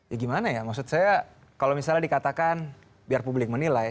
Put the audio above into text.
ya gimana ya maksud saya kalau misalnya dikatakan biar publik menilai